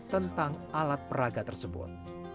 tentang alat peraga tersebut